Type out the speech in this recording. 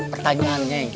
pertanyaannya yang cakep